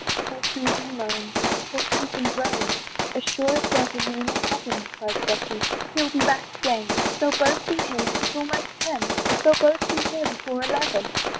Poor Susan moans, poor Susan groans, "As sure as there's a moon in heaven," Cries Betty, "he'll be back again; "They'll both be here, 'tis almost ten, "They'll both be here before eleven."